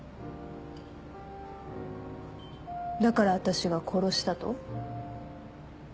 だから私が殺したと？